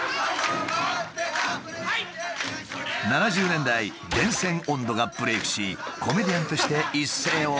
７０年代「電線音頭」がブレークしコメディアンとして一世を風靡。